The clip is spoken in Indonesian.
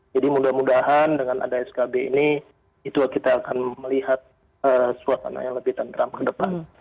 jadi mudah mudahan dengan ada skb ini kita akan melihat suatu aneh yang lebih terang ke depan